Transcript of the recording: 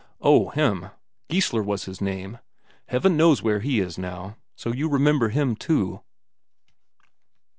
"Oh, him! Geissler was his name? Heaven knows where he is now. So you remember him too?"